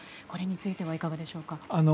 これについてはいかがでしょうか？